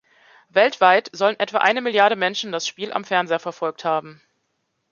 Weltweit sollen etwa eine Milliarde Menschen das Spiel am Fernseher verfolgt haben.